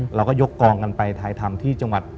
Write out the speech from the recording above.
เราก็ยกกองกันไปถ่ายทำที่จังหวัด